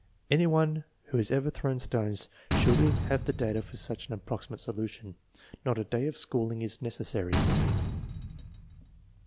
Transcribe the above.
Any one who has ever thrown stones should have the data for such an approximate solution. Not a day of school ing is necessary.